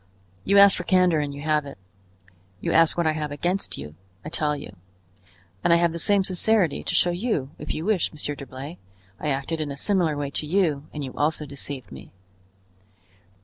"You asked for candor and you have it. You ask what I have against you; I tell you. And I have the same sincerity to show you, if you wish, Monsieur d'Herblay; I acted in a similar way to you and you also deceived me."